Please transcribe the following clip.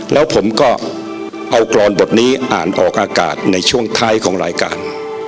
แล้วผมก็เอากรอนบทนี้อ่านออกอากาศในช่วงท้ายของรายการ